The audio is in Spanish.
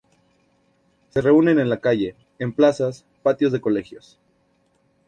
Se reúnen en la calle, en plazas, patios de colegios.